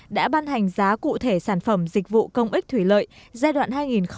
đã ban hành giá cụ thể sản phẩm dịch vụ công ích thủy lợi giai đoạn hai nghìn một mươi sáu hai nghìn hai mươi